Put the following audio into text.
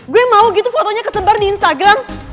gue mau gitu fotonya kesebar di instagram